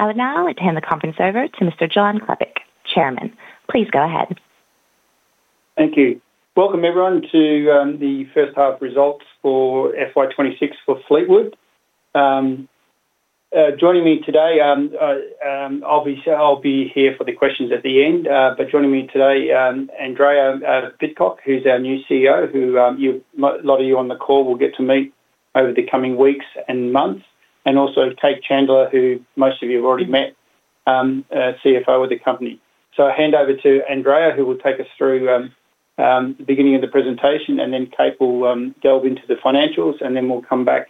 I would now like to hand the conference over to Mr. John Klepec, Chairman. Please go ahead. Thank you. Welcome, everyone, to the first half results for FY 2026 for Fleetwood. Joining me today, I'll be here for the questions at the end. Joining me today, Andrea Pidcock, who's our new CEO, who a lot of you on the call will get to meet over the coming weeks and months, and also Cate Chandler, who most of you have already met, CFO of the company. I hand over to Andrea, who will take us through the beginning of the presentation, and then Cate will delve into the financials, and then we'll come back,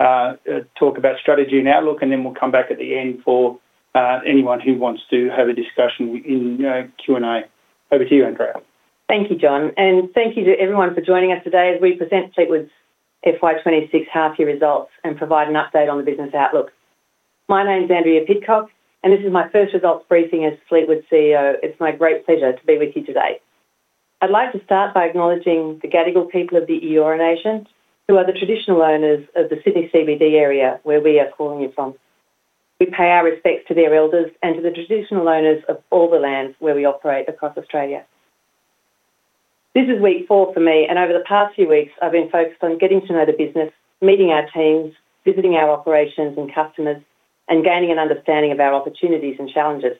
talk about strategy and outlook, and then we'll come back at the end for anyone who wants to have a discussion in Q&A. Over to you, Andrea. Thank you, John. Thank you to everyone for joining us today as we present Fleetwood's FY 2026 half year results and provide an update on the business outlook. My name is Andrea Pidcock, and this is my first results briefing as Fleetwood's CEO. It's my great pleasure to be with you today. I'd like to start by acknowledging the Gadigal people of the Eora Nation, who are the traditional owners of the Sydney CBD area, where we are calling you from. We pay our respects to their elders and to the traditional owners of all the lands where we operate across Australia. This is week four for me, and over the past few weeks, I've been focused on getting to know the business, meeting our teams, visiting our operations and customers, and gaining an understanding of our opportunities and challenges.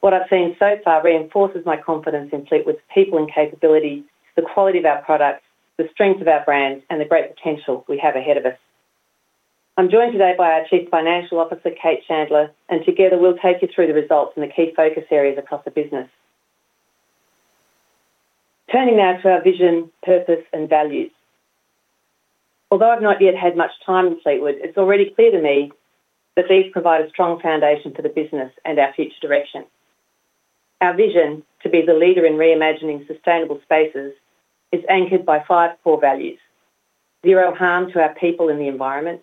What I've seen so far reinforces my confidence in Fleetwood's people and capability, the quality of our products, the strength of our brands, and the great potential we have ahead of us. I'm joined today by our Chief Financial Officer, Cate Chandler, and together we'll take you through the results and the key focus areas across the business. Turning now to our vision, purpose, and values. Although I've not yet had much time in Fleetwood, it's already clear to me that these provide a strong foundation for the business and our future direction. Our vision, to be the leader in reimagining sustainable spaces, is anchored by five core values. Zero harm to our people and the environment.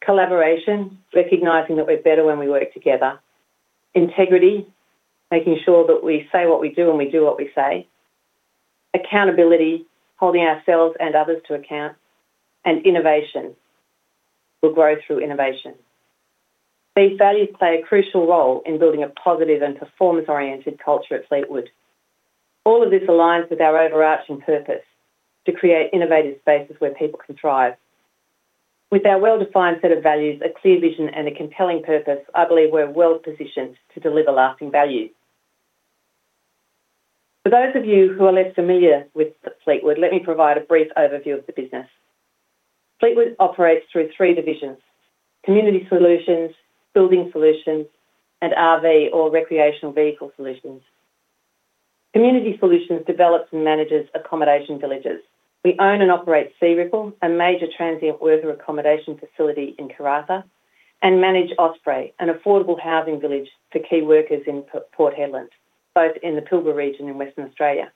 Collaboration, recognizing that we're better when we work together. Integrity, making sure that we say what we do and we do what we say. Accountability, holding ourselves and others to account. Innovation, we grow through innovation. These values play a crucial role in building a positive and performance-oriented culture at Fleetwood. All of this aligns with our overarching purpose, to create innovative spaces where people can thrive. With our well-defined set of values, a clear vision and a compelling purpose, I believe we're well positioned to deliver lasting value. For those of you who are less familiar with Fleetwood, let me provide a brief overview of the business. Fleetwood operates through three divisions: Community Solutions, Building Solutions, and RV or Recreational Vehicle Solutions. Community Solutions develops and manages accommodation villages. We own and operate Searipple, a major transient worker accommodation facility in Karratha, and manage Osprey, an affordable housing village for key workers in Port Hedland, both in the Pilbara region in Western Australia.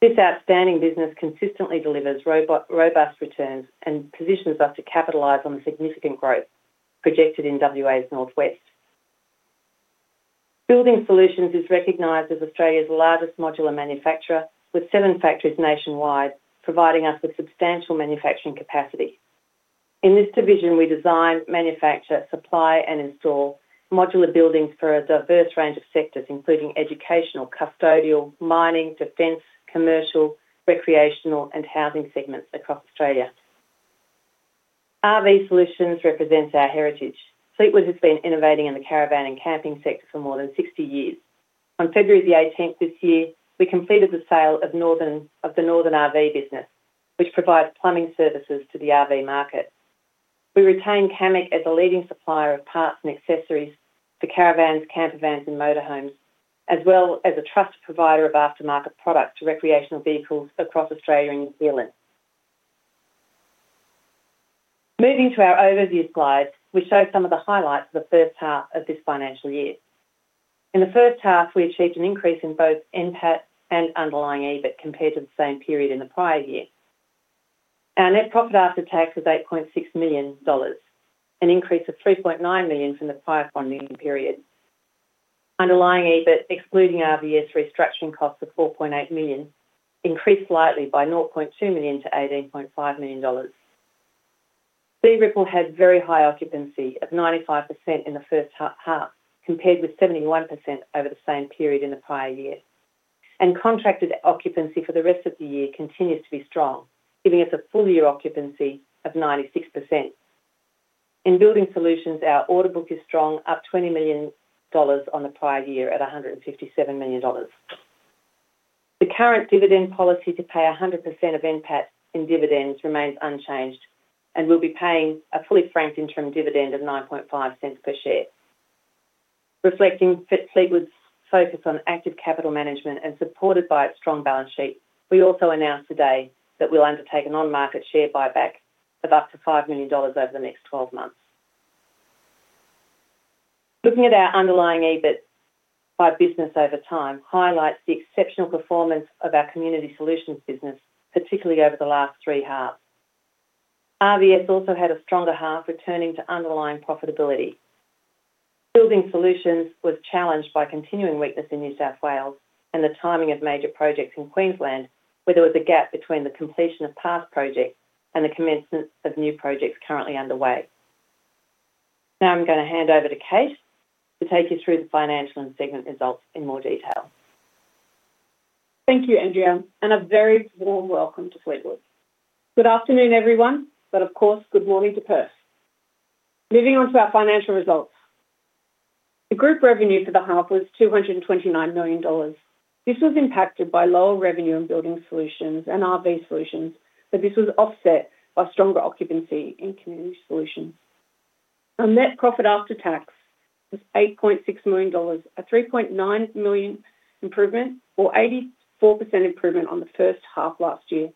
This outstanding business consistently delivers robust returns and positions us to capitalize on the significant growth projected in WA's northwest. Building Solutions is recognized as Australia's largest modular manufacturer, with seven factories nationwide, providing us with substantial manufacturing capacity. In this division, we design, manufacture, supply and install modular buildings for a diverse range of sectors, including educational, custodial, mining, defense, commercial, recreational, and housing segments across Australia. RV Solutions represents our heritage. Fleetwood has been innovating in the caravan and camping sector for more than 60 years. On February the 18th this year, we completed the sale of the Northern RV business, which provides plumbing services to the RV market. We retain Camec as a leading supplier of parts and accessories for caravans, campervans, and motorhomes, as well as a trusted provider of aftermarket products to recreational vehicles across Australia and New Zealand. Moving to our overview slides, we show some of the highlights of the first half of this financial year. In the first half, we achieved an increase in both NPAT and underlying EBIT compared to the same period in the prior year. Our net profit after tax was $8.6 million, an increase of $3.9 million from the prior funding period. Underlying EBIT, excluding RVS restructuring costs of $4.8 million, increased slightly by $0.2 million to $18.5 million. Searipple had very high occupancy of 95% in the first half, compared with 71% over the same period in the prior year, and contracted occupancy for the rest of the year continues to be strong, giving us a full year occupancy of 96%. In Building Solutions, our order book is strong, up 20 million dollars on the prior year at 157 million dollars. The current dividend policy to pay 100% of NPAT in dividends remains unchanged and will be paying a fully franked interim dividend of 0.095 per share. Reflecting Fleetwood's focus on active capital management and supported by its strong balance sheet, we also announced today that we will undertake an on-market share buyback of up to 5 million dollars over the next 12 months. Looking at our underlying EBIT by business over time highlights the exceptional performance of our Community Solutions business, particularly over the last three halves. RVS also had a stronger half, returning to underlying profitability. Building Solutions was challenged by continuing weakness in New South Wales and the timing of major projects in Queensland, where there was a gap between the completion of past projects and the commencement of new projects currently underway. Now I'm going to hand over to Cate to take you through the financial and segment results in more detail. Thank you, Andrea, and a very warm welcome to Fleetwood. Good afternoon, everyone, but of course, good morning to Perth. Moving on to our financial results. The group revenue for the half was 229 million dollars. This was impacted by lower revenue in Building Solutions and RV Solutions, but this was offset by stronger occupancy in Community Solutions. Our net profit after tax was 8.6 million dollars, a 3.9 million improvement or 84% improvement on the first half last year.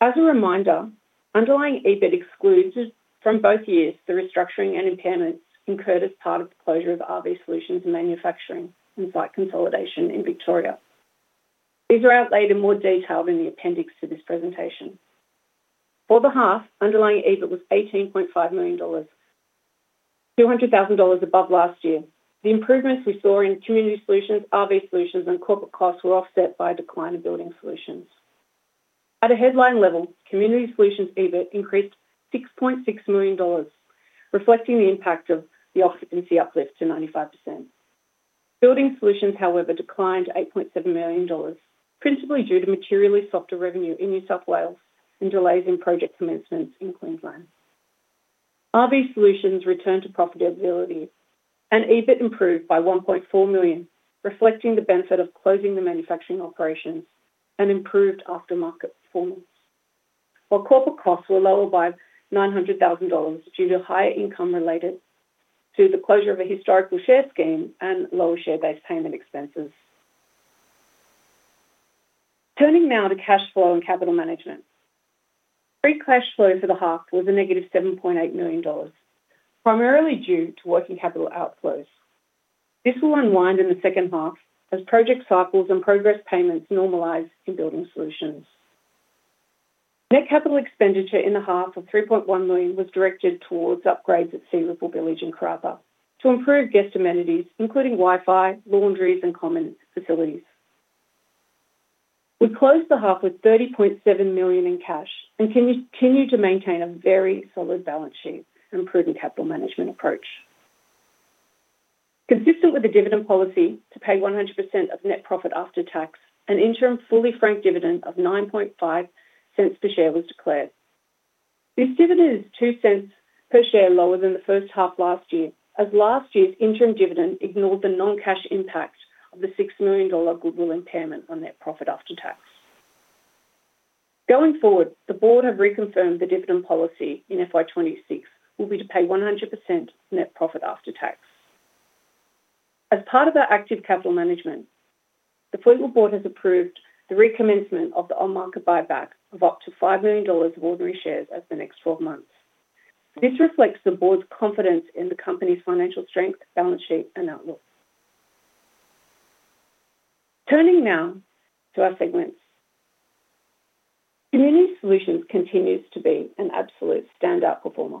As a reminder, underlying EBIT excludes from both years the restructuring and impairments incurred as part of the closure of RV Solutions and manufacturing and site consolidation in Victoria. These are outlaid in more detail in the appendix to this presentation. For the half, underlying EBIT was 18.5 million dollars, 200,000 dollars above last year. The improvements we saw in Community Solutions, RV Solutions, and corporate costs were offset by a decline in Building Solutions. At a headline level, Community Solutions EBIT increased 6.6 million dollars, reflecting the impact of the occupancy uplift to 95%. Building Solutions, however, declined to 8.7 million dollars, principally due to materially softer revenue in New South Wales and delays in project commencements in Queensland. RV Solutions returned to profitability, and EBIT improved by 1.4 million, reflecting the benefit of closing the manufacturing operations and improved aftermarket performance. Corporate costs were lower by 900,000 dollars due to higher income related to the closure of a historical share scheme and lower share-based payment expenses. Turning now to cash flow and capital management. Free cash flow for the half was a negative 7.8 million dollars, primarily due to working capital outflows. This will unwind in the second half as project cycles and progress payments normalize in Building Solutions. Net capital expenditure in the half of 3.1 million was directed towards upgrades at Searipple in Karratha to improve guest amenities, including Wi-Fi, laundries, and common facilities. We closed the half with 30.7 million in cash and continue to maintain a very solid balance sheet and prudent capital management approach. Consistent with the dividend policy to pay 100% of net profit after tax, an interim fully frank dividend of 0.095 per share was declared. This dividend is 0.02 per share lower than the first half last year, as last year's interim dividend ignored the non-cash impact of the 6 million dollar goodwill impairment on net profit after tax. Going forward, the board have reconfirmed the dividend policy in FY 2026 will be to pay 100% net profit after tax. As part of our active capital management, the Fleetwood board has approved the recommencement of the on-market buyback of up to 5 million dollars of ordinary shares over the next 12 months. This reflects the board's confidence in the company's financial strength, balance sheet, and outlook. Turning now to our segments. Community Solutions continues to be an absolute standout performer.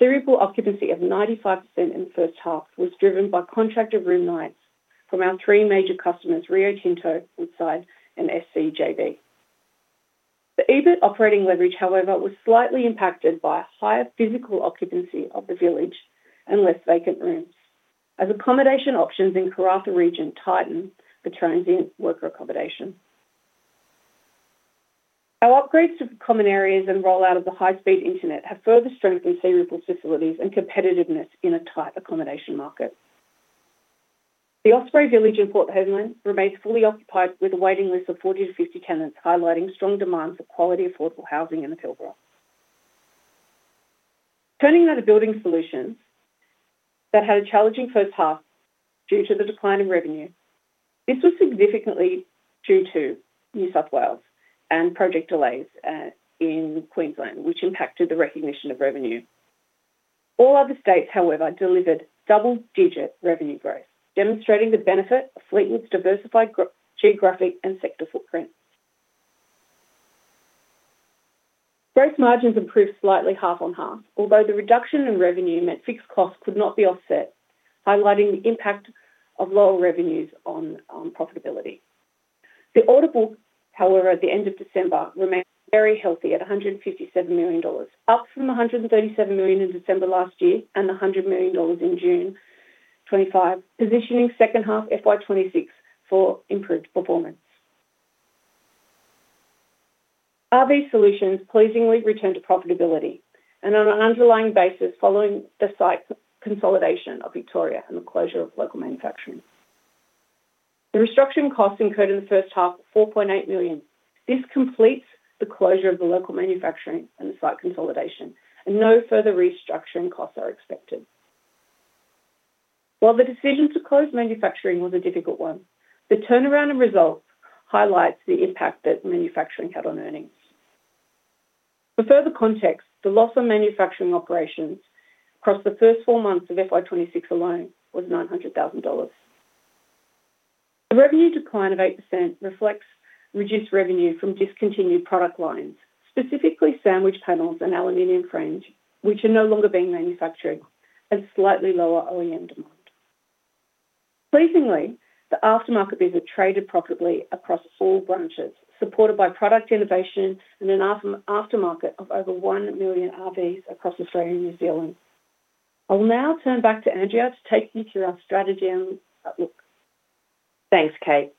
Searipple occupancy of 95% in the first half was driven by contracted room nights from our three major customers, Rio Tinto, Woodside, and SCJV. The EBIT operating leverage, however, was slightly impacted by a higher physical occupancy of the village and less vacant rooms, as accommodation options in Karratha region tighten for transient worker accommodation. Our upgrades to the common areas and rollout of the high-speed internet have further strengthened Searipple's facilities and competitiveness in a tight accommodation market. The Osprey Village in Port Hedland remains fully occupied, with a waiting list of 40-50 tenants, highlighting strong demands for quality, affordable housing in the Pilbara. Turning now to Building Solutions, that had a challenging first half due to the decline in revenue. This was significantly due to New South Wales and project delays in Queensland, which impacted the recognition of revenue. All other states, however, delivered double-digit revenue growth, demonstrating the benefit of Fleetwood's diversified geographic and sector footprint. Gross margins improved slightly half on half, although the reduction in revenue meant fixed costs could not be offset, highlighting the impact of lower revenues on profitability. The order book, however, at the end of December, remained very healthy at 157 million dollars, up from 137 million in December last year and 100 million dollars in June 2025, positioning second half FY 2026 for improved performance. RV Solutions pleasingly returned to profitability and on an underlying basis, following the site consolidation of Victoria and the closure of local manufacturing. The restructuring costs incurred in the first half were 4.8 million. This completes the closure of the local manufacturing and the site consolidation, and no further restructuring costs are expected. While the decision to close manufacturing was a difficult one, the turnaround in results highlights the impact that manufacturing had on earnings. For further context, the loss of manufacturing operations across the first four months of FY 2026 alone was $900,000. The revenue decline of 8% reflects reduced revenue from discontinued product lines, specifically sandwich panels and aluminium frames, which are no longer being manufactured at slightly lower OEM. Pleasingly, the aftermarket business traded profitably across all branches, supported by product innovation and an aftermarket of over 1 million RVs across Australia and New Zealand. I will now turn back to Andrea to take you through our strategy and outlook. Thanks, Cate.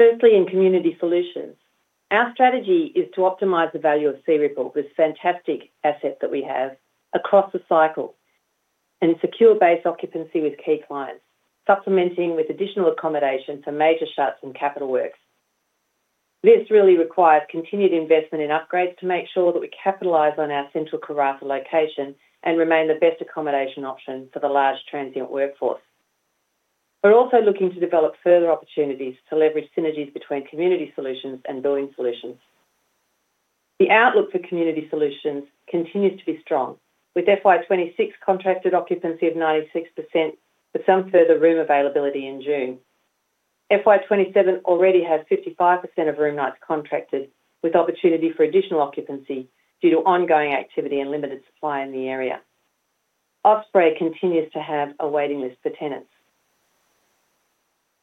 Firstly, in Community Solutions, our strategy is to optimize the value of Searipple, this fantastic asset that we have, across the cycle, and secure base occupancy with key clients, supplementing with additional accommodation for major shuts and capital works. This really requires continued investment in upgrades to make sure that we capitalize on our central Karratha location and remain the best accommodation option for the large transient workforce. We're also looking to develop further opportunities to leverage synergies between Community Solutions and Building Solutions. The outlook for Community Solutions continues to be strong, with FY 2026 contracted occupancy of 96%, with some further room availability in June. FY 2027 already has 55% of room nights contracted, with opportunity for additional occupancy due to ongoing activity and limited supply in the area. Osprey continues to have a waiting list for tenants.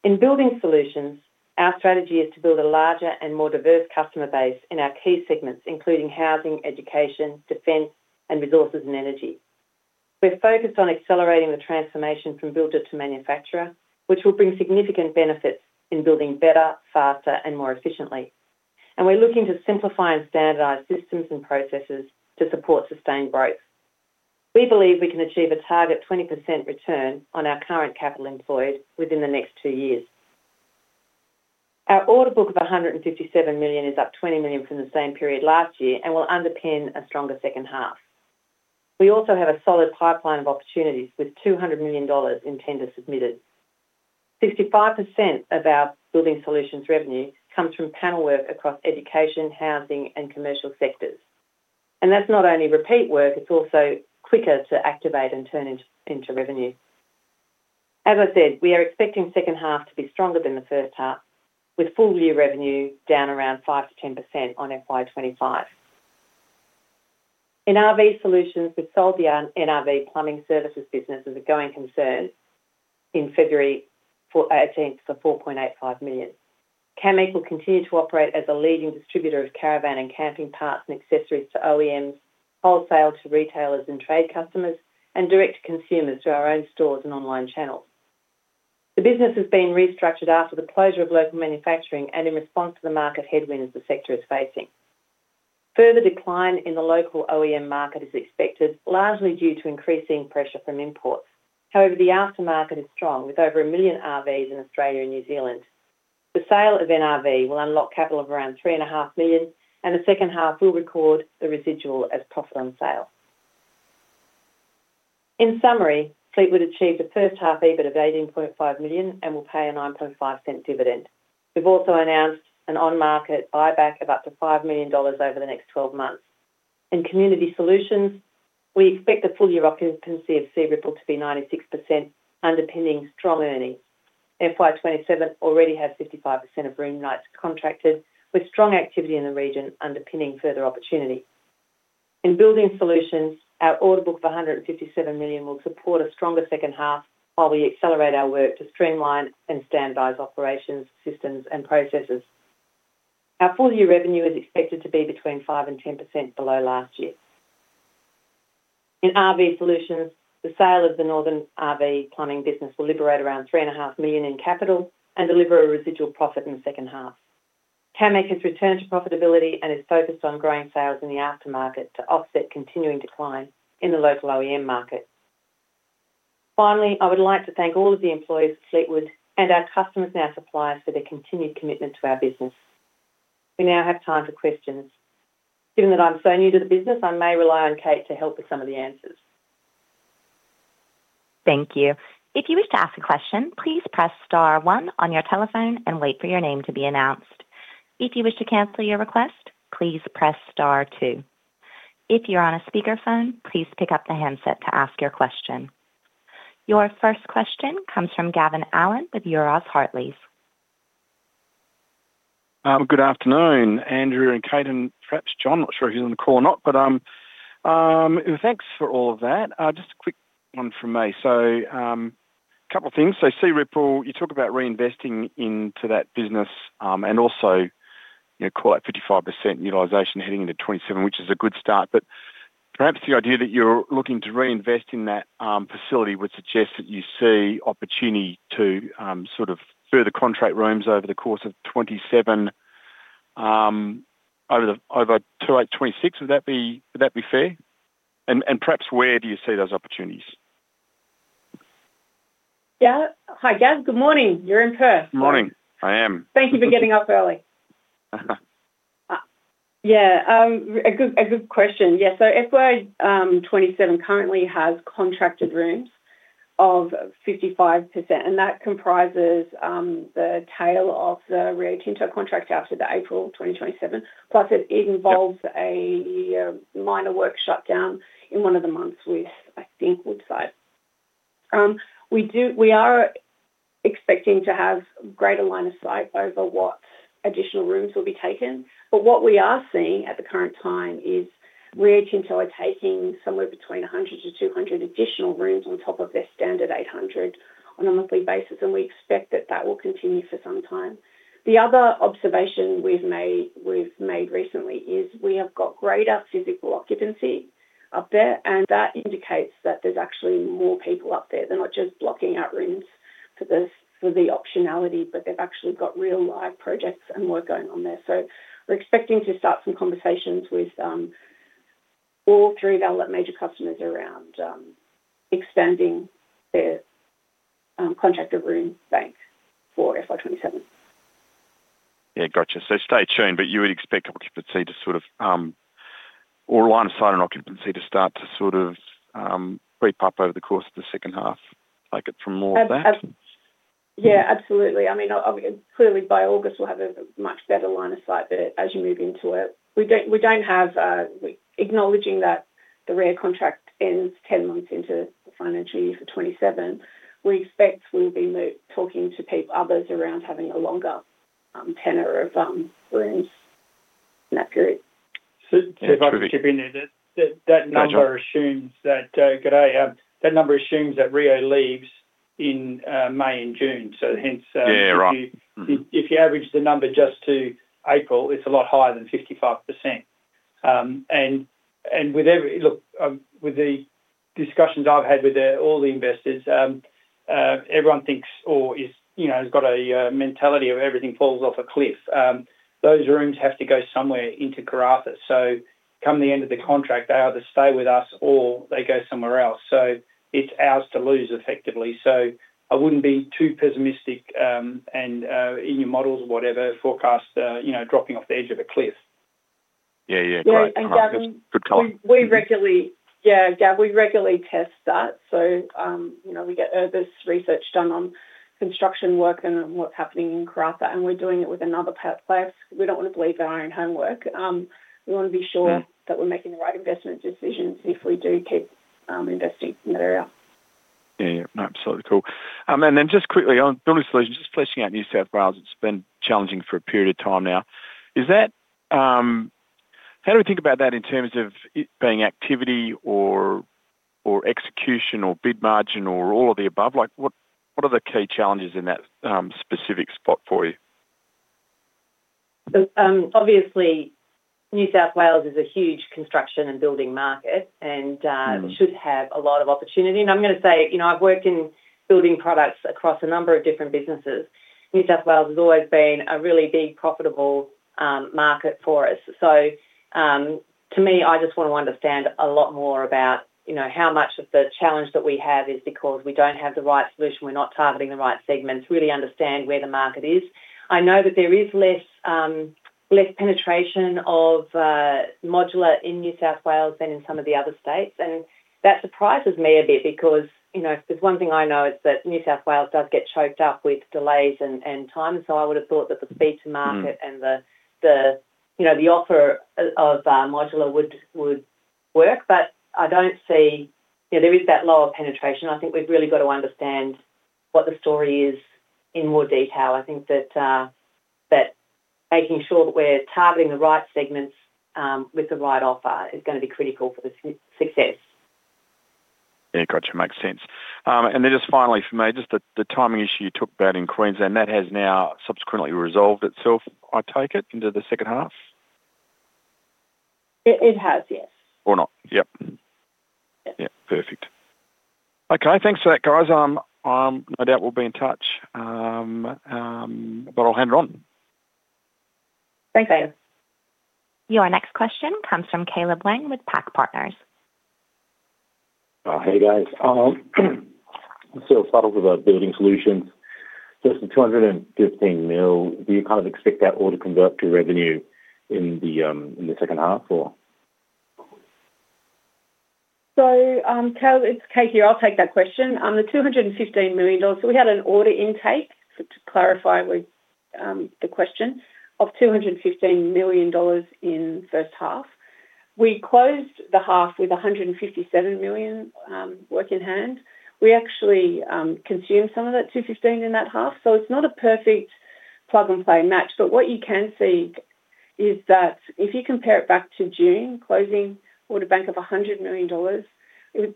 In Building Solutions, our strategy is to build a larger and more diverse customer base in our key segments, including housing, education, defense, and resources and energy. We're focused on accelerating the transformation from builder to manufacturer, which will bring significant benefits in building better, faster, and more efficiently. We're looking to simplify and standardize systems and processes to support sustained growth. We believe we can achieve a target 20% return on our current return on capital employed within the next two years. Our order book of 157 million is up 20 million from the same period last year and will underpin a stronger second half. We also have a solid pipeline of opportunities with 200 million dollars in tenders submitted. 65% of our Building Solutions revenue comes from panel work across education, housing, and commercial sectors. That's not only repeat work, it's also quicker to activate and turn into revenue. As I said, we are expecting second half to be stronger than the first half, with full-year revenue down around 5%-10% on FY 2025. In RV Solutions, we sold the NRV Plumbing Services business as a going concern in February for $4.85 million. Camec will continue to operate as a leading distributor of caravan and camping parts and accessories to OEMs, wholesale to retailers and trade customers, and direct to consumers through our own stores and online channels. The business has been restructured after the closure of local manufacturing and in response to the market headwinds the sector is facing. Further decline in the local OEM market is expected, largely due to increasing pressure from imports. The aftermarket is strong, with over 1 million RVs in Australia and New Zealand. The sale of NRV will unlock capital of around 3.5 million, and the second half will record the residual as profit on sale. In summary, Fleetwood achieved a first half EBIT of 18.5 million and will pay a 0.095 dividend. We've also announced an on-market buyback of up to AUD 5 million over the next 12 months. In Community Solutions, we expect the full-year occupancy of Searipple to be 96%, underpinning strong earnings. FY 2027 already has 55% of room nights contracted, with strong activity in the region underpinning further opportunity. In Building Solutions, our order book of 157 million will support a stronger second half while we accelerate our work to streamline and standardize operations, systems, and processes. Our full-year revenue is expected to be between 5% and 10% below last year. In RV Solutions, the sale of the Northern RV Plumbing business will liberate around 3.5 million in capital and deliver a residual profit in the second half. Camec has returned to profitability and is focused on growing sales in the aftermarket to offset continuing decline in the local OEM market. I would like to thank all of the employees of Fleetwood and our customers and our suppliers for their continued commitment to our business. We now have time for questions. Given that I'm so new to the business, I may rely on Cate to help with some of the answers. Thank you. If you wish to ask a question, please press star one on your telephone and wait for your name to be announced. If you wish to cancel your request, please press star two. If you're on a speakerphone, please pick up the handset to ask your question. Your first question comes from Gavin Allen with Euroz Hartleys. Good afternoon, Andrea and Cate, and perhaps John, not sure if he's on the call or not. Thanks for all of that. Just a quick one from me. A couple of things. Searipple, you talk about reinvesting into that business, and also, you know, call it 55% utilization heading into 2027, which is a good start. Perhaps the idea that you're looking to reinvest in that facility would suggest that you see opportunity to sort of further contract rooms over the course of 2027, over the, over to 2026. Would that be fair? Perhaps where do you see those opportunities? Yeah. Hi, Gav. Good morning. You're in Perth. Good morning. I am. Thank you for getting up early. Yeah, a good question. FY 2027 currently has contracted rooms of 55%, and that comprises the tail of the Rio Tinto contract after the April 2027. It involves- Yep.... a minor work shutdown in one of the months with, I think, Woodside. We are expecting to have greater line of sight over what additional rooms will be taken. What we are seeing at the current time is Rio Tinto are taking somewhere between 100-200 additional rooms on top of their standard 800 on a monthly basis. We expect that that will continue for some time. The other observation we've made recently is we have got greater physical occupancy up there. That indicates that there's actually more people up there. They're not just blocking out rooms for the optionality, but they've actually got real, live projects and work going on there. We're expecting to start some conversations with all three of our major customers around expanding their contracted room bank for FY 2027. Yeah, gotcha. Stay tuned, but you would expect occupancy to sort of, or line of sight on occupancy to start to sort of, creep up over the course of the second half, like from more of that? Absolutely. I mean, clearly by August we'll have a much better line of sight, but as you move into it, we don't have, acknowledging that the Rio contract ends 10 months into the financial year for 2027, we expect we'll be talking to people, others around having a longer tenure of rooms in that period. True. If I could chip in there, Good dday, that number assumes that Rio leaves in May and June. Hence, Yeah, right. If you average the number just to April, it's a lot higher than 55%. With every Look, with the discussions I've had with all the investors, everyone thinks or is, you know, has got a mentality of everything falls off a cliff. Those rooms have to go somewhere into Karratha. Come the end of the contract, they either stay with us or they go somewhere else. It's ours to lose effectively, so I wouldn't be too pessimistic, and in your models or whatever, forecast, you know, dropping off the edge of a cliff. Yeah, yeah. Great. Yeah, Gavin- Good call. We regularly, yeah, Gav, we regularly test that. You know, we get, there's research done on construction work and what's happening in Karratha, and we're doing it with another place. We don't want to believe our own homework. We want to be sure that we're making the right investment decisions if we do keep investing in that area. Yeah. Absolutely, cool. Just quickly on Building Solutions, just fleshing out New South Wales, it's been challenging for a period of time now. Is that, how do we think about that in terms of it being activity or execution or bid margin or all of the above? Like, what are the key challenges in that specific spot for you? Obviously, New South Wales is a huge construction and building market and should have a lot of opportunity. I'm gonna say, you know, I've worked in building products across a number of different businesses. New South Wales has always been a really big, profitable market for us. To me, I just want to understand a lot more about, you know, how much of the challenge that we have is because we don't have the right solution, we're not targeting the right segments, really understand where the market is. I know that there is less penetration of modular in New South Wales than in some of the other states, and that surprises me a bit because, you know, if there's one thing I know, it's that New South Wales does get choked up with delays and time. I would have thought that the speed to market and the, you know, the offer of modular would work, but I don't see, you know, there is that lower penetration. I think we've really got to understand what the story is in more detail. I think that making sure that we're targeting the right segments with the right offer is going to be critical for the success. Yeah, gotcha. Makes sense. Then just finally from me, just the timing issue you talked about in Queensland, that has now subsequently resolved itself, I take it, into the second half? It has, yes. Not. Yep. Yep. Yeah, perfect. Okay, thanks for that, guys. No doubt we'll be in touch. I'll hand it on. Thanks, Gav. Your next question comes from Caleb Weng with PAC Partners. Hey, guys. Let's start off with our Building Solutions. It's the 215 million, do you kind of expect that all to convert to revenue in the second half or? Caleb, it's Cate here. I'll take that question. The 215 million dollars, we had an order intake, to clarify with the question, of 215 million dollars in first half. We closed the half with 157 million work in hand. We actually consumed some of that 215 in that half, so it's not a perfect plug-and-play match, but what you can see is that if you compare it back to June, closing order bank of 100 million dollars,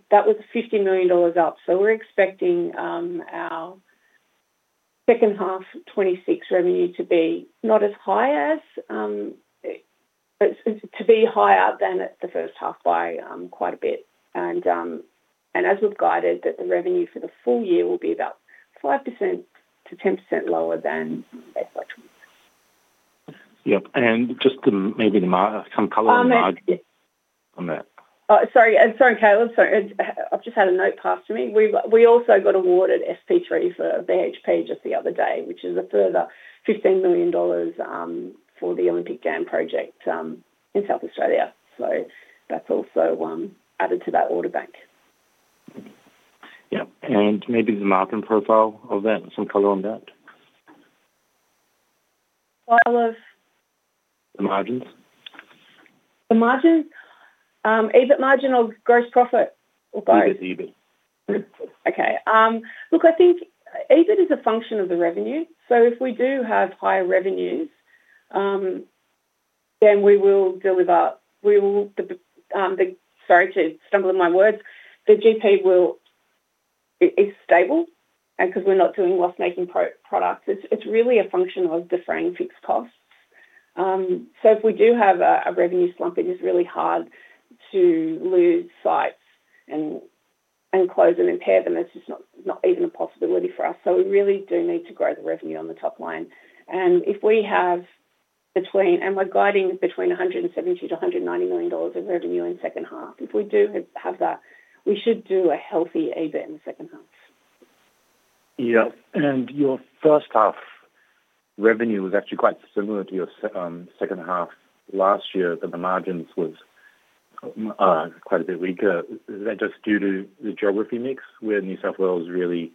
that was 50 million dollars up. We're expecting our second half 2026 revenue to be not as high as, but it's to be higher than the first half by quite a bit. As we've guided that the revenue for the full year will be about 5%-10% lower than FY 2025. Yep, just to maybe the mar- some color on the marg-. Yeah. on that. Sorry, Caleb. Sorry, I've just had a note passed to me. We also got awarded SP3 for BHP just the other day, which is a further 15 million dollars, for the Olympic Dam project, in South Australia. That's also added to that order bank. Yep, and maybe the margin profile of that, some color on that? All of? The margins. The margins, EBIT margin or gross profit or both? Just EBIT. Look, I think EBIT is a function of the revenue, so if we do have higher revenues, then we will, sorry to stumble on my words. The GP will it is stable, and 'cause we're not doing loss-making products, it's really a function of deferring fixed costs. If we do have a revenue slump, it is really hard to lose sites and close them, impair them. It's just not even a possibility for us. We really do need to grow the revenue on the top line. If we're guiding between 170 million-190 million dollars in revenue in second half, if we do have that, we should do a healthy EBIT in the second half. Yeah. Your first half revenue was actually quite similar to your second half last year. The margins was quite a bit weaker. Is that just due to the geography mix, where New South Wales really,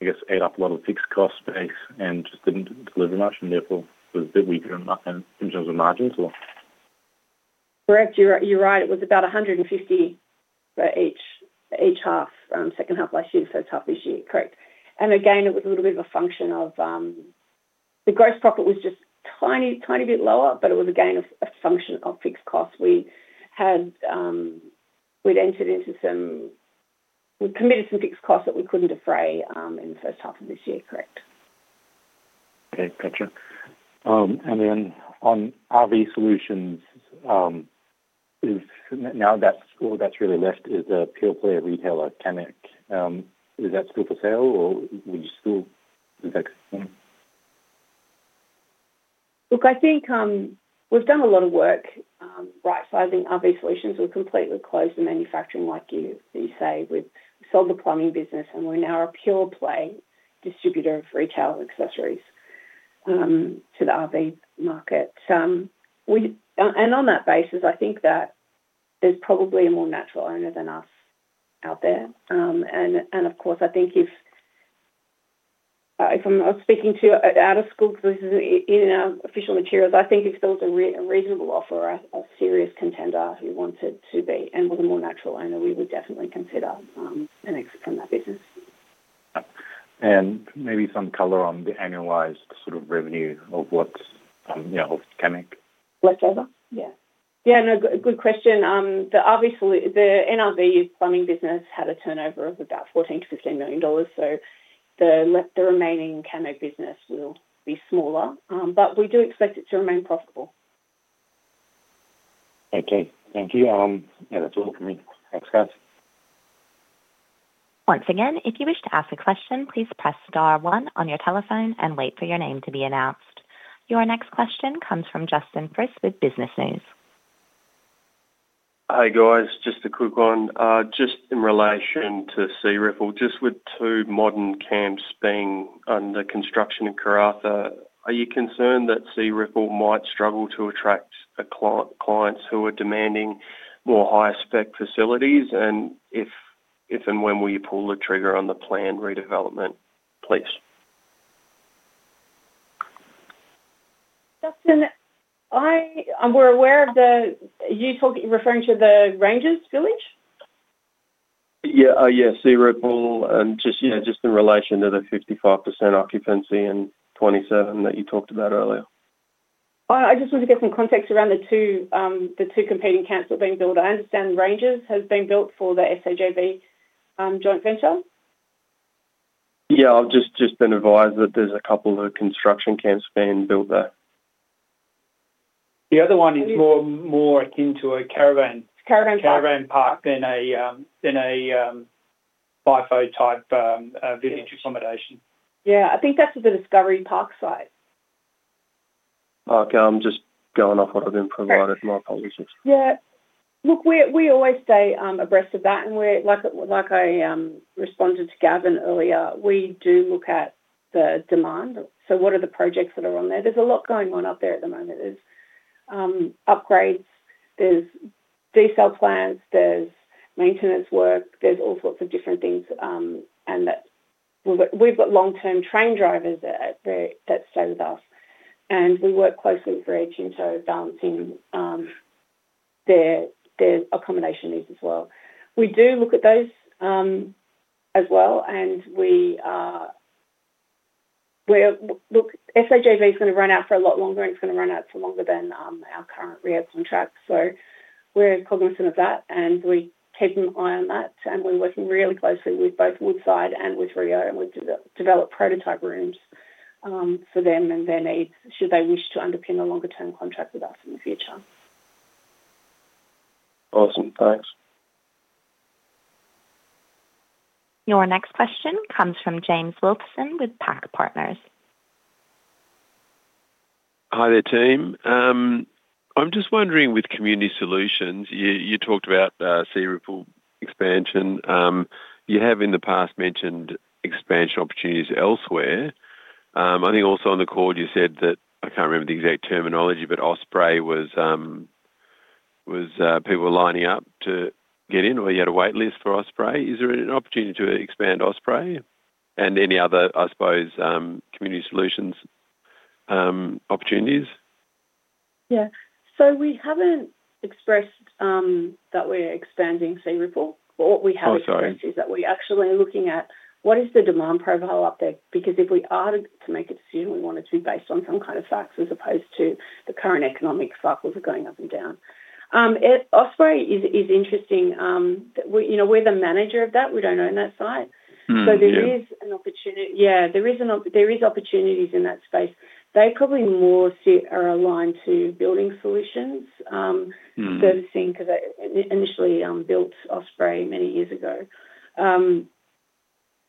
I guess, ate up a lot of fixed cost base and just didn't deliver much and therefore was a bit weaker in terms of margins or? Correct. You're right. It was about 150 for each half, second half last year, first half this year. Correct. Again, it was a little bit of a function of, the gross profit was just tiny bit lower, it was again, a function of fixed costs. We had, we'd committed some fixed costs that we couldn't defray, in the first half of this year. Correct. Okay, gotcha. On RV Solutions, if now that's all that's really left is a pure player retailer, Camec, is that still for sale, or would you still, is that? Look, I think, we've done a lot of work, right-sizing RV Solutions. We've completely closed the manufacturing, like you say. We've sold the plumbing business, and we're now a pure play distributor of retail accessories, to the RV market. We, and on that basis, I think that there's probably a more natural owner than us out there. Of course, I think if I'm speaking to out of school, this is in our official materials, I think if there was a reasonable offer, a serious contender who wanted to be and was a more natural owner, we would definitely consider, an exit from that business. Maybe some color on the annualized sort of revenue of what's, you know, of Camec. Left over? Yeah. Yeah, no, good question. The obviously, the NRV plumbing business had a turnover of about 14 million-15 million dollars, so the left, the remaining Camec business will be smaller, but we do expect it to remain profitable. Okay. Thank you. Yeah, that's all for me. Thanks, guys. Once again, if you wish to ask a question, please press star one on your telephone and wait for your name to be announced. Your next question comes from Justin Fris with Business News. Hi, guys, just a quick one. Just in relation to Searipple, just with two modern camps being under construction in Karratha, are you concerned that Searipple might struggle to attract clients who are demanding more higher-spec facilities? If and when will you pull the trigger on the planned redevelopment, please? Justin, we're aware of the. You talking, referring to the Rangers village? Yeah. yeah, Searipple, and just, you know, just in relation to the 55% occupancy in 2027 that you talked about earlier. I just want to get some context around the two, the two competing camps that are being built. I understand Rangers has been built for the SCJV, joint venture. Yeah, I've just been advised that there's a couple of construction camps being built there. The other one is more akin to a caravan- Caravan park.... caravan park than a FIFO type, village accommodation. Yeah. I think that's the Discovery Parks site. Okay, I'm just going off what I've been provided. My apologies. Yeah. Look, we always stay abreast of that, and we're like I responded to Gavin earlier, we do look at the demand. What are the projects that are on there? There's a lot going on out there at the moment. There's upgrades, there's desal plants, there's maintenance work, there's all sorts of different things, and that we've got long-term train drivers that stay with us, and we work closely with Rio Tinto, balancing their accommodation needs as well. We do look at those as well, and we're look, SCJV is going to run out for a lot longer, and it's going to run out for longer than our current Rio contract. We're cognizant of that, and we keep an eye on that, and we're working really closely with both Woodside and with Rio, and we've developed prototype rooms for them and their needs, should they wish to underpin a longer-term contract with us in the future. Awesome. Thanks. Your next question comes from James Wilson with PAC Partners. Hi there, team. I'm just wondering, with Community Solutions, you talked about Searipple expansion. You have in the past mentioned expansion opportunities elsewhere. I think also on the call, you said that, I can't remember the exact terminology, but Osprey was people were lining up to get in, or you had a wait list for Osprey. Is there an opportunity to expand Osprey and any other, I suppose, Community Solutions opportunities? We haven't expressed, that we're expanding Searipple. Oh, sorry. We're actually looking at what is the demand profile up there, because if we are to make a decision, we want it to be based on some kind of facts as opposed to the current economic cycles are going up and down. Osprey is interesting, we, you know, we're the manager of that. We don't own that site. Yeah. Yeah, there is opportunities in that space. They probably more so are aligned to Building Solutions. Servicing, because they initially built Osprey many years ago.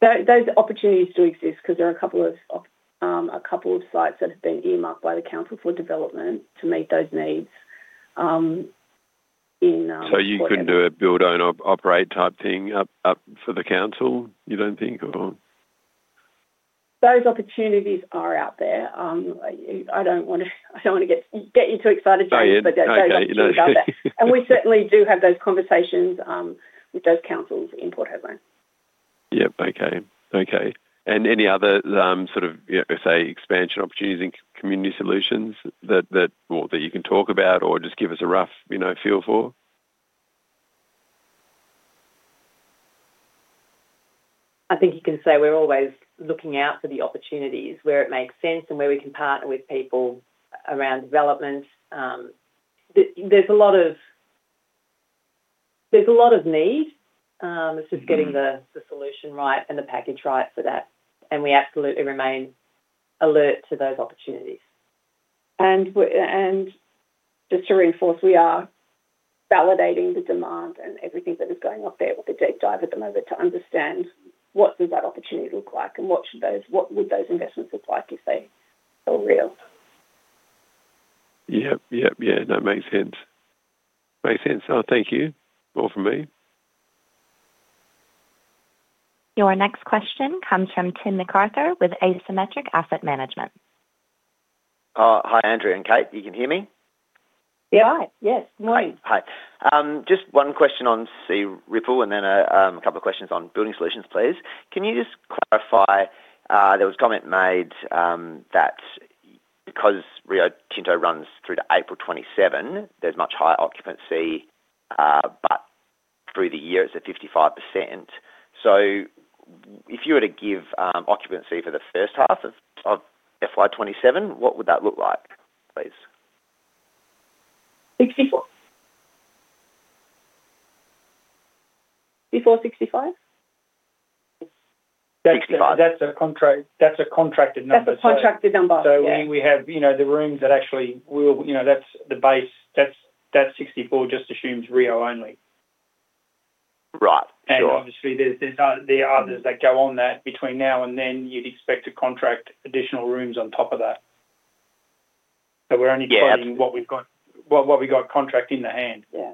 Those opportunities do exist because there are a couple of sites that have been earmarked by the council for development to meet those needs. You couldn't do a build, own, op, operate type thing up for the council, you don't think, or? Those opportunities are out there. I don't want to get you too excited, James. Oh, yeah. Okay. We certainly do have those conversations, with those councils in Port Hedland. Yep. Okay. Okay. any other, sort of, yeah, say, expansion opportunities in Community Solutions that, or that you can talk about or just give us a rough, you know, feel for? I think you can say we're always looking out for the opportunities where it makes sense and where we can partner with people around development. There's a lot of need, getting the solution right and the package right for that. We absolutely remain alert to those opportunities. Just to reinforce, we are validating the demand and everything that is going off there with a deep dive at the moment to understand what does that opportunity look like and what would those investments look like if they were real. Yep, yep, yeah, that makes sense. Makes sense. Oh, thank you. All from me. Your next question comes from Tim McArthur with Asymmetric Asset Management. Hi, Andrea and Cate. You can hear me? Yeah. Hi. Yes. Hi. Just one question on Searipple and then a couple of questions on Building Solutions, please. Can you just clarify, there was a comment made that because Rio Tinto runs through to April 2027, there's much higher occupancy, but through the year, it's at 55%. If you were to give occupancy for the first half of FY 2027, what would that look like, please? 64%. 64%-65%? 65%. That's a contract, that's a contracted number. That's a contracted number. We have, you know, the rooms that actually will, you know, that's the base, that's that 64% just assumes Rio only. Right. Sure. Obviously, there's, there are others that go on that between now and then, you'd expect to contract additional rooms on top of that. Yeah. We're only quoting what we've got, what we got contracted in the hand. Yeah.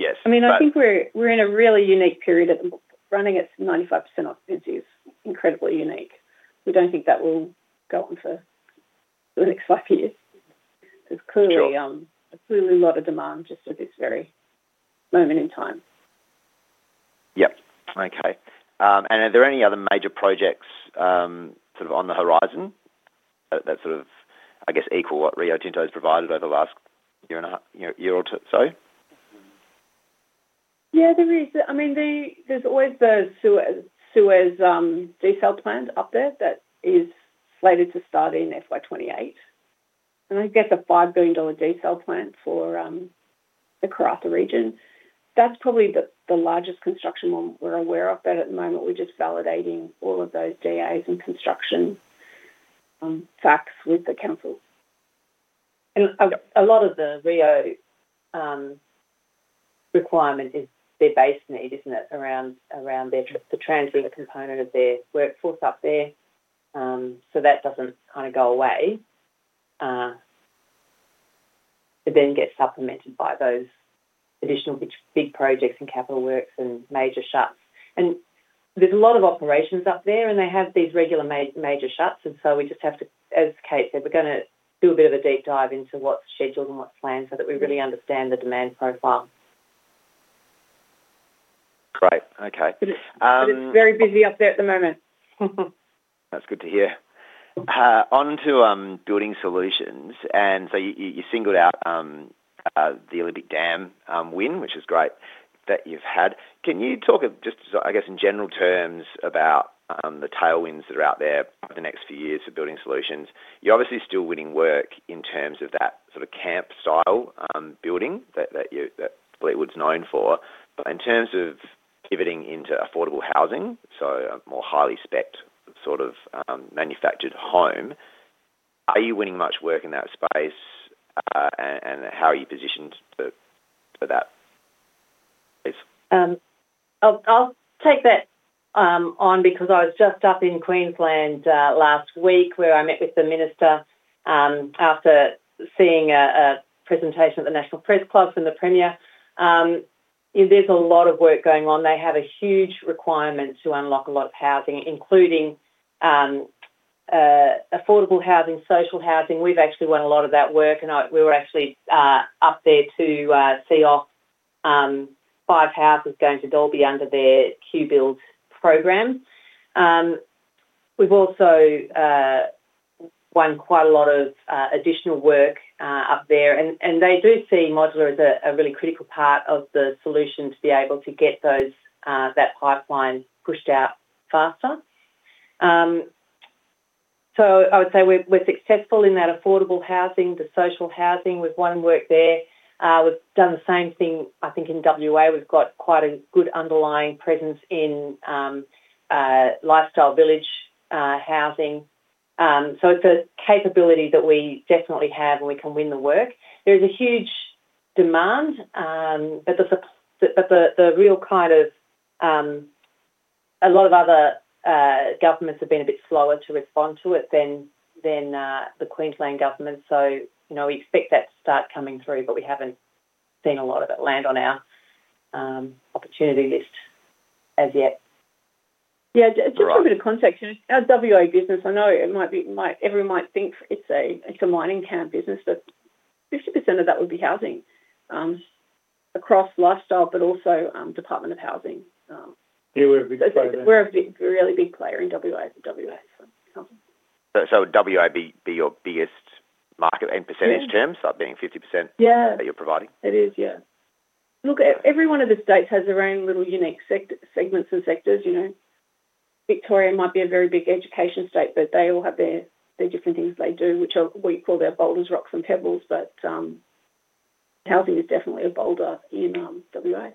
Yes. I mean, I think we're in a really unique period. Running at 95% occupancy is incredibly unique. We don't think that will go on for the next five years. Sure. There's clearly a lot of demand just at this very moment in time. Yep. Okay. Are there any other major projects, sort of on the horizon that sort of, I guess, equal what Rio Tinto's provided over the last year and a half, year or two, so? Yeah, there is. I mean, there's always the Suez desal plant up there that is slated to start in FY 2028, and I guess a 5 billion dollar desal plant for the Karratha region. That's probably the largest construction one we're aware of, but at the moment, we're just validating all of those DAs and construction facts with the council. A lot of the Rio requirement is their base need, isn't it? Around the transmitter component of their workforce up there. That doesn't kind of go away. It then gets supplemented by those additional big projects and capital works and major shuts. There's a lot of operations up there, and they have these regular major shuts. We just have to, as Cate said, we're gonna do a bit of a deep dive into what's scheduled and what's planned so that we really understand the demand profile. Great. Okay. It's very busy up there at the moment. That's good to hear. On to Building Solutions. You singled out the Olympic Dam win, which is great, that you've had. Can you talk just, I guess, in general terms about the tailwinds that are out there over the next few years for Building Solutions? You're obviously still winning work in terms of that sort of camp-style building that Fleetwood's known for. In terms of pivoting into affordable housing, so a more highly spec'd sort of manufactured home, are you winning much work in that space, and how are you positioned to, for that, please? I'll take that on because I was just up in Queensland last week, where I met with the minister after seeing a presentation at the National Press Club from the Premier. There's a lot of work going on. They have a huge requirement to unlock a lot of housing, including affordable housing, social housing, we've actually won a lot of that work, and we were actually up there to see off five houses going to Dalby under their QBuild program. We've also won quite a lot of additional work up there, and they do see modular as a really critical part of the solution to be able to get those that pipeline pushed out faster. I would say we're successful in that affordable housing, the social housing, we've won work there. We've done the same thing, I think, in WA. We've got quite a good underlying presence in lifestyle village housing. It's a capability that we definitely have, and we can win the work. There is a huge demand, but the real kind of... A lot of other governments have been a bit slower to respond to it than the Queensland government, you know, we expect that to start coming through, but we haven't seen a lot of it land on our opportunity list as yet. Just a bit of context. Our WA business, I know everyone might think it's a mining camp business, but 50% of that would be housing, across lifestyle, but also, Department of Housing. Yeah, we're a big player. We're a big, really big player in WA, so. WA be your biggest market in percentage terms, like being 50% that you're providing? It is, yeah. Look, every one of the states has their own little unique sect, segments and sectors, you know. Victoria might be a very big education state, but they all have their different things they do, which are, we call their boulders, rocks, and pebbles, but, housing is definitely a boulder in WA.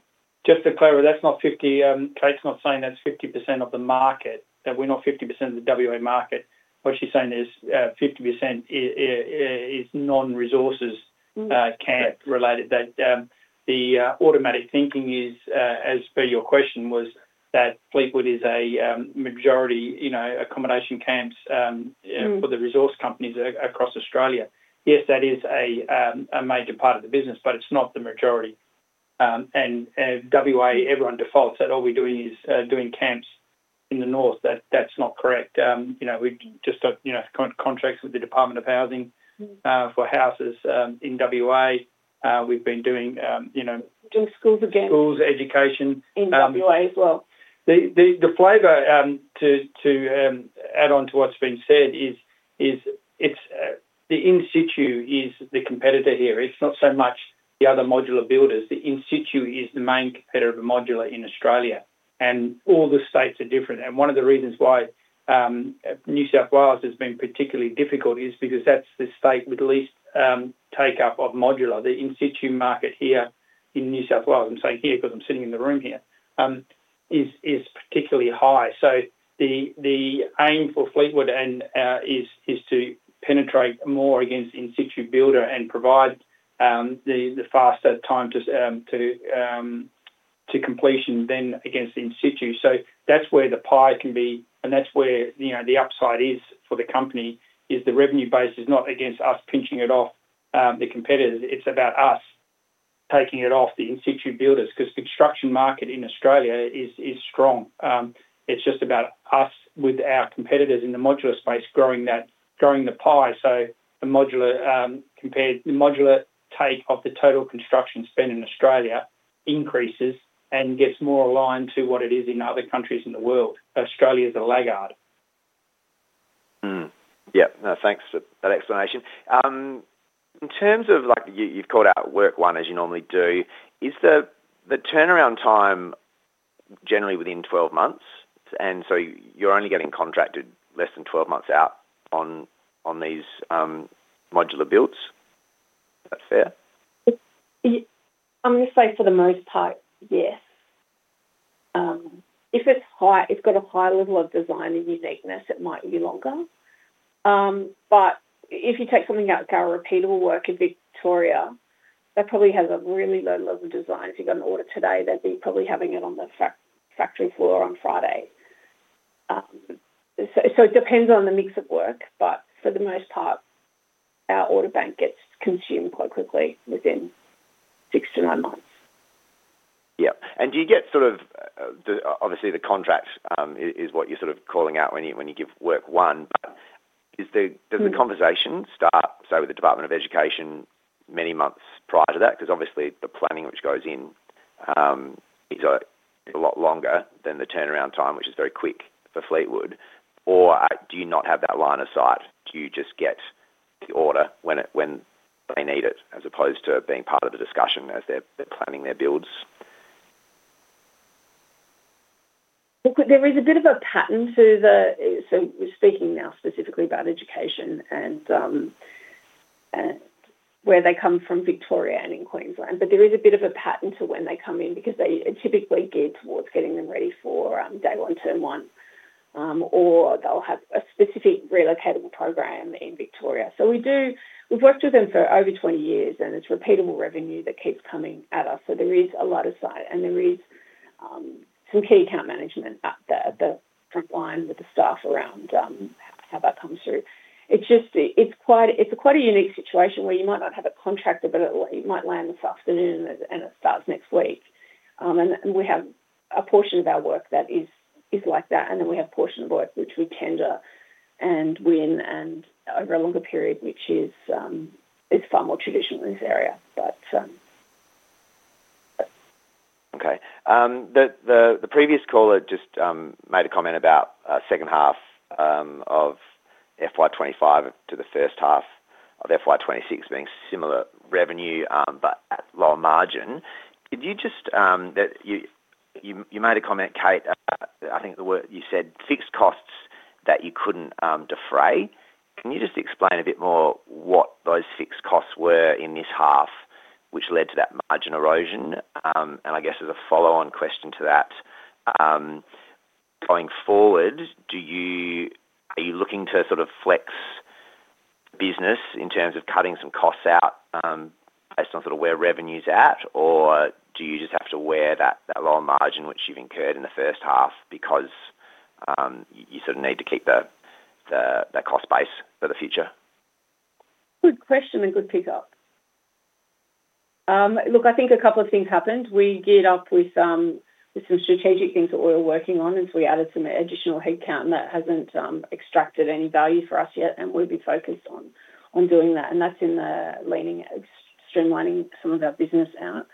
Just to be clear, that's not 50%, Cate's not saying that's 50% of the market, that we're not 50% of the WA market. What she's saying is, 50% is non-resources, camp related. The automatic thinking is, as per your question, was that Fleetwood is a majority, you know, accommodation camps, for the resource companies across Australia. Yes, that is a major part of the business, but it's not the majority. WA, everyone defaults that all we're doing is doing camps in the north. That's not correct. You know, we've just got, you know, contracts with the Department of Housing, for houses, in WA. We've been doing, you know- Doing schools again. Schools, education. In WA as well. The flavor to add on to what's been said, it's the in-situ is the competitor here. It's not so much the other modular builders. The in-situ is the main competitor of the modular in Australia, and all the states are different. One of the reasons why New South Wales has been particularly difficult is because that's the state with the least take-up of modular. The in-situ market here in New South Wales, I'm saying here because I'm sitting in the room here, is particularly high. The aim for Fleetwood is to penetrate more against in-situ builder and provide the faster time to completion than against the in-situ. That's where the pie can be, and that's where, you know, the upside is for the company, is the revenue base is not against us pinching it off the competitors. It's about us taking it off the in-situ builders, 'cause construction market in Australia is strong. It's just about us with our competitors in the modular space, growing that, growing the pie, so the modular, the modular take of the total construction spent in Australia increases and gets more aligned to what it is in other countries in the world. Australia is a laggard. Yep. No, thanks for that explanation. In terms of like, you've called out work one, as you normally do, is the turnaround time generally within 12 months? So you're only getting contracted less than 12 months out on these modular builds? Is that fair? It's, I'm gonna say for the most part, yes. If it's high, it's got a high level of design and uniqueness, it might be longer. If you take something out of our repeatable work in Victoria, that probably has a really low level of design. If you got an order today, they'd be probably having it on the factory floor on Friday. It depends on the mix of work, but for the most part, our order bank gets consumed quite quickly within six to nine months. Yep. Do you get sort of, obviously, the contract is what you're sort of calling out when you give work one, but does the conversation start, say, with the Department of Education many months prior to that? Obviously, the planning which goes in is a lot longer than the turnaround time, which is very quick for Fleetwood. Do you not have that line of sight? Do you just get the order when they need it, as opposed to it being part of the discussion as they're planning their builds? There is a bit of a pattern to the. We're speaking now specifically about education and where they come from Victoria and in Queensland. There is a bit of a pattern to when they come in because they are typically geared towards getting them ready for day one, term one, or they'll have a specific relocatable program in Victoria. We've worked with them for over 20 years, and it's repeatable revenue that keeps coming at us, so there is a lot of sight, and there is some key account management at the front line with the staff around how that comes through. It's just, it's quite, it's quite a unique situation where you might not have a contractor, but it might land this afternoon, and it starts next week. We have a portion of our work that is like that, and then we have a portion of work which we tender and win and over a longer period, which is far more traditional in this area. Okay. The previous caller just made a comment about second half of FY 2025 to the first half of FY 2026 being similar revenue at lower margin. Could you just that you made a comment, Cate, I think the word you said, fixed costs that you couldn't defray. Can you just explain a bit more what those fixed costs were in this half, which led to that margin erosion? I guess as a follow-on question to that, going forward, are you looking to sort of flex business in terms of cutting some costs out based on sort of where revenue's at? Do you just have to wear that lower margin, which you've incurred in the first half because you sort of need to keep the cost base for the future? Good question. Good pick up. Look, I think a couple of things happened. We geared up with some strategic things that we were working on. We added some additional headcount. That hasn't extracted any value for us yet. We'll be focused on doing that. That's in the streamlining some of our business out.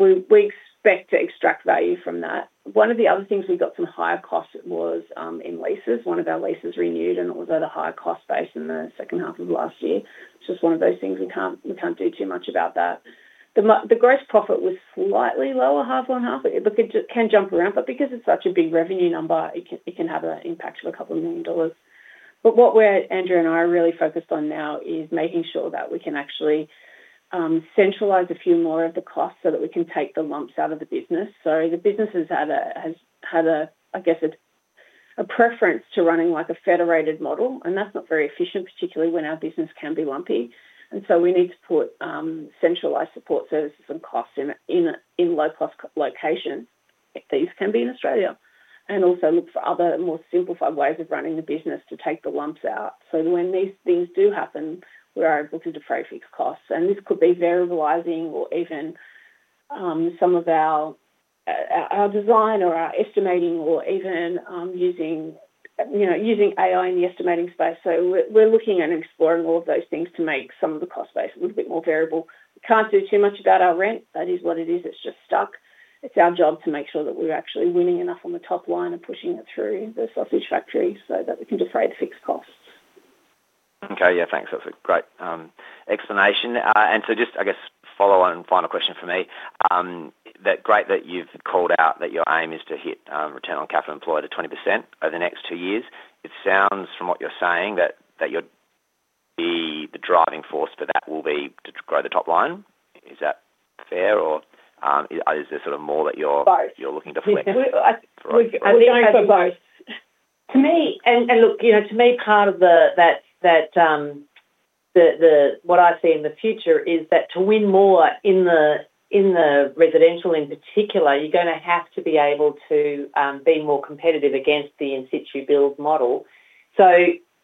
We expect to extract value from that. One of the other things we got some higher costs was in leases. One of our leases renewed. It was at a higher cost base in the second half of last year. It's just one of those things we can't do too much about that. The gross profit was slightly lower, half on half, but it can jump around, because it's such a big revenue number, it can have an impact of a couple of million dollars. What we're, Andrea and I are really focused on now is making sure that we can actually centralize a few more of the costs so that we can take the lumps out of the business. The business has had a, I guess a preference to running like a federated model, and that's not very efficient, particularly when our business can be lumpy. We need to put centralized support services and costs in low-cost locations. These can be in Australia, and also look for other more simplified ways of running the business to take the lumps out. When these things do happen, we are able to defray fixed costs, and this could be varializing or even, some of our design or our estimating or even, using, you know, using AI in the estimating space. We're looking and exploring all of those things to make some of the cost base a little bit more variable. We can't do too much about our rent. That is what it is. It's just stuck. It's our job to make sure that we're actually winning enough on the top line and pushing it through the sausage factory so that we can defray the fixed costs. Okay, yeah, thanks. That's a great explanation. Just, I guess, follow on, final question from me. That great that you've called out that your aim is to hit return on capital employed to 20% over the next two years. It sounds from what you're saying that you're the driving force for that will be to grow the top line. Is that fair, or is there sort of more that you're? Both. You're looking to collect? We're going for both. To me, look, you know, to me, part of the what I see in the future is that to win more in the, in the residential, in particular, you're gonna have to be able to be more competitive against the in situ build model.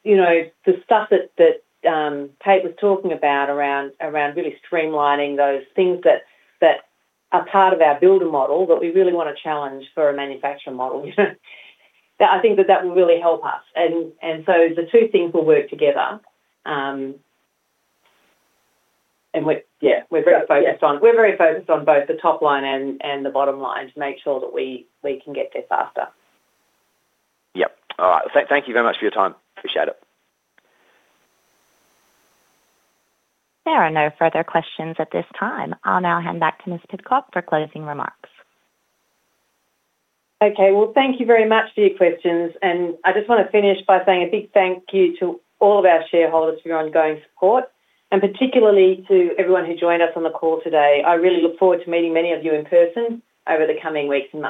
You know, the stuff that Cate was talking about really streamlining those things that are part of our builder model, but we really want to challenge for a manufacturer model, you know? I think that will really help us. The two things will work together. We're very focused on both the top line and the bottom line to make sure that we can get there faster. Yep. All right. Thank you very much for your time. Appreciate it. There are no further questions at this time. I'll now hand back to Ms. Pidcock for closing remarks. Okay, well, thank you very much for your questions, and I just want to finish by saying a big thank you to all of our shareholders for your ongoing support, and particularly to everyone who joined us on the call today. I really look forward to meeting many of you in person over the coming weeks and months.